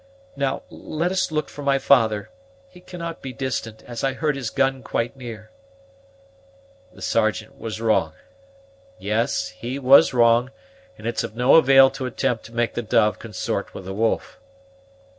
"Now, let us look for my father; he cannot be distant, as I heard his gun quite near." "The Sergeant was wrong yes, he was wrong, and it's of no avail to attempt to make the dove consort with the wolf."